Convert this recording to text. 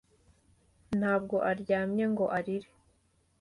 ntabwo aryamye ngo arire,